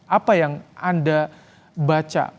apa yang anda baca